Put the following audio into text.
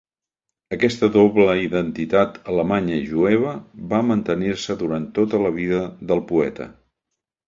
Aquesta doble identitat alemanya i jueva va mantenir-se durant tota la vida del poeta.